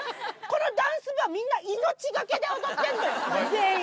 このダンス部は、みんな命懸けで踊ってんのよ、全員。